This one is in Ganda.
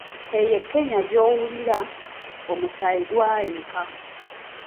"Eyo Kenya gy’owulira, omusaayi gwayiika."